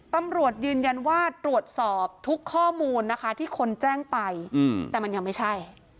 ตำรวจยืนยันว่าตรวจสอบทุกข้อมูลนะคะที่คนแจ้งไปแต่มันยังไม่ใช่